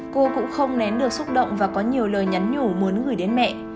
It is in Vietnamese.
cô cũng không nén được xúc động và có nhiều lời nhắn nhủ muốn gửi đến mẹ